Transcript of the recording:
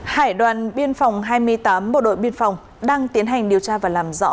hải đoàn biên phòng hai mươi tám bộ đội biên phòng đang tiến hành điều tra và làm rõ